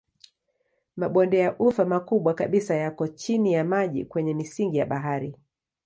Mabonde ya ufa makubwa kabisa yapo chini ya maji kwenye misingi ya bahari.